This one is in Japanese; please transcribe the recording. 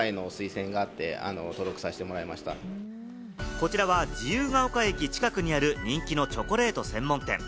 こちらは自由が丘駅近くにある人気のチョコレート専門店。